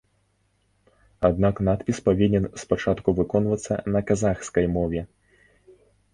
Аднак надпіс павінен спачатку выконвацца на казахскай мове.